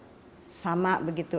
dan viol sama begitu